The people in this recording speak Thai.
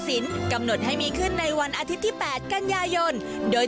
กำหนดให้มีขึ้นในวันอาทิตย์ที่๘กันยายนโดย